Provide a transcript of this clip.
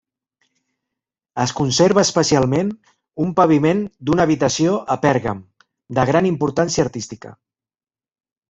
Es conserva especialment un paviment d'una habitació a Pèrgam de gran importància artística.